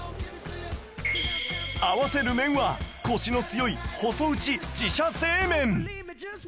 合わせる麺はコシの強い細打ち自社製麺